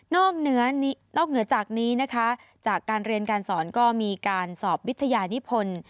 นอกเหนือจากนี้นะคะจากการเรียนการสอนก็มีการสอบวิทยานิพล